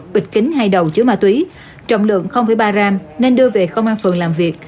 bịch kính hay đầu chứa ma túy trọng lượng ba gram nên đưa về công an phường làm việc